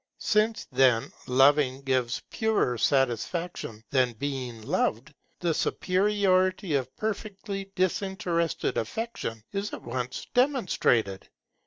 Since, then, loving gives purer satisfaction than being loved, the superiority of perfectly disinterested affection is at once demonstrated.